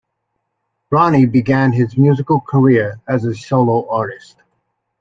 Ronnie began his musical career as a solo artist.